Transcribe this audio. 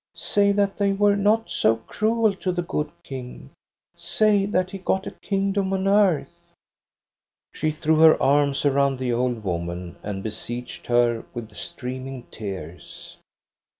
Say that they were not so cruel to the good King ! Say that he got a kingdom on earth !'" She threw her arms around the old woman and beseeched her with streaming tears.